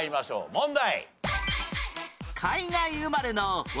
問題！